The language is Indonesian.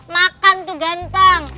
makan tuh ganteng